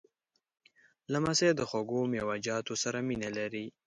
لمسی د خوږو میوهجاتو سره مینه لري.